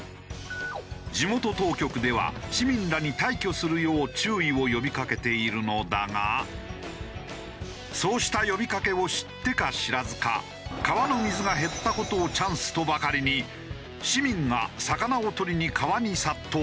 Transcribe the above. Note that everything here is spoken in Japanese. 地元当局では市民らに退去するよう注意を呼びかけているのだがそうした呼びかけを知ってか知らずか川の水が減った事をチャンスとばかりに市民が魚を捕りに川に殺到。